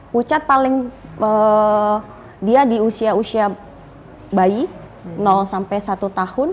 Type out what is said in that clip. pucat paling dia di usia usia bayi sampai satu tahun